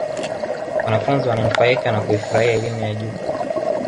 wanafunzi wananufaika na kuifurahia elimu ya juu